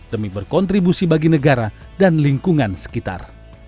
demi berkontribusi bagi negara dan lingkungan sekitar